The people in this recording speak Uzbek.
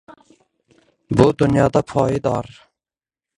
Bu dunyoda poyidor!